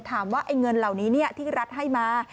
ถามว่าเงินเหล่านี้เนี่ยที่รัฐให้มา